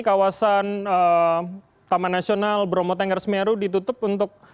kawasan taman nasional bromo tengger semeru ditutup untuk